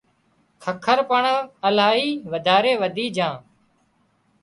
ککر پڻ الاهي وڌاري وڌِي جھان